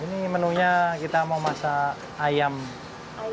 ini menunya kita mau masak ayam